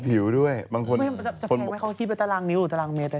จับเพลงให้เขาคิดเป็นตารางนิ้วตารางเมตร